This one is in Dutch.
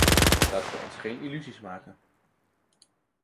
Laten we ons geen illusies maken.